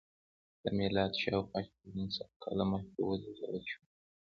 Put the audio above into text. له میلاده شاوخوا شپږ نیم سوه کاله مخکې ولېږدول شوه